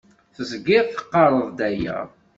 Teẓgiḍ teqqareḍ-d aya.